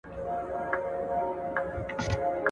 کمپيوټر مېلمه اکاونټ لري.